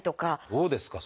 どうですか？